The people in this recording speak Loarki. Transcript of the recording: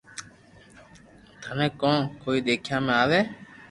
ٿني ڪون ڪوئي ديکيا ۾ آوي